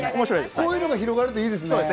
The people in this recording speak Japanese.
こういうのが広がるといいですね。